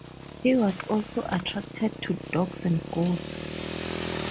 He was also attracted to dogs and goats.